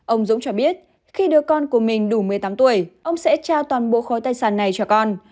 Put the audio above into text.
ông dũng cho biết khi đứa con của mình đủ một mươi tám tuổi ông sẽ trao toàn bộ khối tài sản này cho con